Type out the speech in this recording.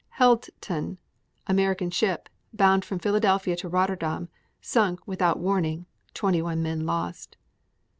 Healdton, American ship, bound from Philadelphia to Rotterdam, sunk without warning; 21 men lost.